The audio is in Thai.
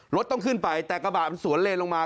รถต้องขึ้นไปแต่กระบะมันสวนเลนลงมา